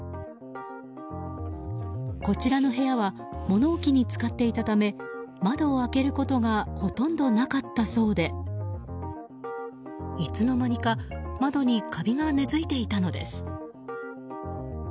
こちらの部屋は物置に使っていたため窓を開けることがほとんどなかったそうでいつの間にか窓にカビが根付いていたのです。